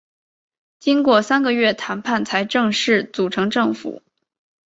经过三个月谈判才正式组成政府。